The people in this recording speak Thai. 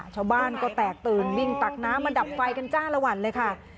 ชาวบ้านก็แตกตื่นวิ่งตักน้ำมาดับไฟกันจ้าละวันเลยค่ะ